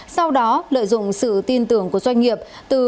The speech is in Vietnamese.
sau đó lợi dụng sự tin tưởng của doanh nghiệp